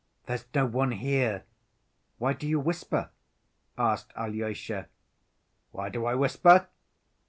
"There's no one here. Why do you whisper?" asked Alyosha. "Why do I whisper?